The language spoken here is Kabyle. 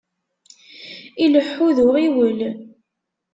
Ileḥḥu d uɣiwel.